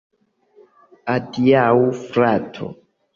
Adiaŭ, frato.